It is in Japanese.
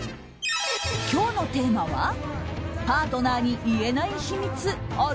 今日のテーマはパートナーに言えない秘密ある？